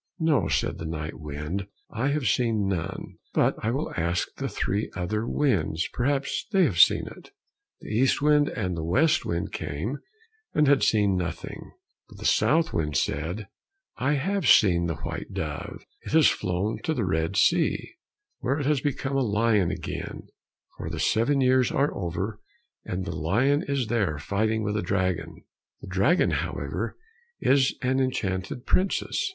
"No," said the night wind, "I have seen none, but I will ask the three other winds, perhaps they have seen it." The east wind and the west wind came, and had seen nothing, but the south wind said, "I have seen the white dove, it has flown to the Red Sea, where it has become a lion again, for the seven years are over, and the lion is there fighting with a dragon; the dragon, however, is an enchanted princess."